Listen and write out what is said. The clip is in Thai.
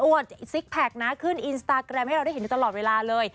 ซิกแพคนะขึ้นอินสตาแกรมให้เราได้เห็นอยู่ตลอดเวลาเลย